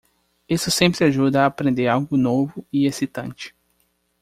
Isso sempre ajuda a aprender algo novo e excitante.